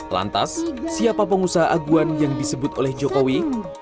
lantas siapa pengusaha aguan yang disebut oleh jokowi